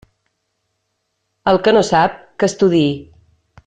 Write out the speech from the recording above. El que no sap, que estudie.